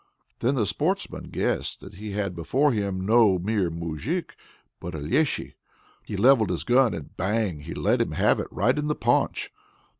" Then the sportsman guessed that he had before him no mere moujik, but a Léshy. He levelled his gun and bang! he let him have it right in the paunch.